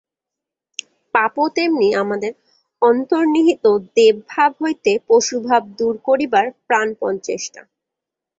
পাপও তেমনি আমাদের অন্তর্নিহিত দেবভাব হইতে পশুভাব দূর করিবার প্রাণপণ চেষ্টা।